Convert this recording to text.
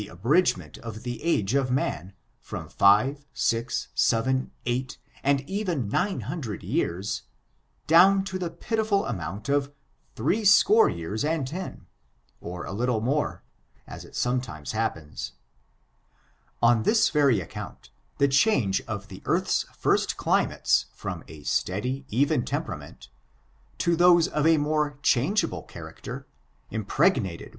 ibridgment of the age of man, from five, six, seven, eight, and even nine hundred years^ down to the pitiful amount of " three score years and ten^ or a little over, as it sometimes happens. On this very account, the change of the earth's ^r^^ climates from a steady, even temperament; to those of a more changeable character, impregnated I fe^^^^^^^^^^^^^ FORTUNESi OF THE NEGRO RACIC.